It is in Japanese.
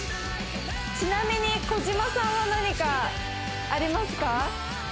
ちなみに小島さんは何かありますか？